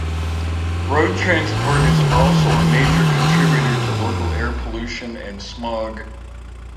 Road transport is also a major contributor to local air pollution and smog.